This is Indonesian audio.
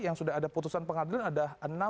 yang sudah ada putusan pengadilan ada enam puluh enam